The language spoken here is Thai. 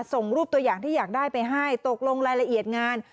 ส่งรูปตัวอย่างที่อยากได้ไปให้ตกลงรายละเอียดงาน